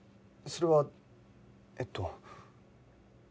それはえっと。